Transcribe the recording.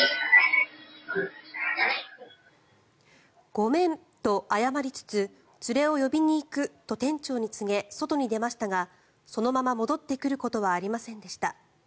ごめんと謝りつつ連れを呼びに行くと店長に告げ外に出ましたがそのまま戻ってくることはありませんでした。